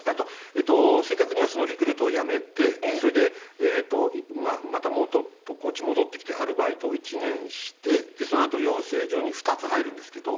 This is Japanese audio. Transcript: えっと正確にはそのリクルートを辞めてそれでまたこっち戻ってきてアルバイトを１年してそのあと養成所に２つ入るんですけど。